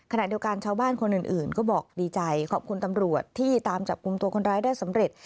ขณะเดียวกันชาวบ้านคนอื่นก็บอกดีใจขอบคุณตำรวจที่ตามจับกลุ่มตัวคนร้ายได้สำเร็จ